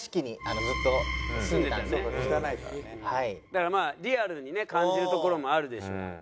だからまあリアルにね感じるところもあるでしょうから。